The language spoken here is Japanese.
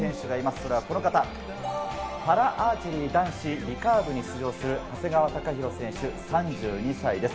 それがこの方、パラアーチェリー男子リカーブに出場する長谷川貴大選手、３２歳です。